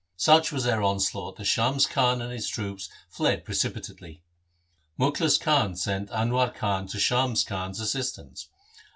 Such was their onslaught that Shams Khan and his troops fled precipitately. Mukhlis Khan sent Anwar Khan to Shams Khan's assistance.